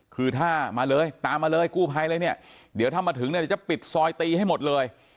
คือถ้ามาเลยตามมาเลยกู้ภัยเลยเนี่ยเดี๋ยวถ้ามาถึงเนี่ยเดี๋ยวจะปิดซอยตีให้หมดเลย